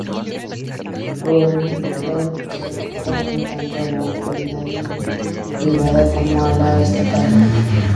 Proudhon se opone tanto a la propiedad individual, privada, como a la estatal.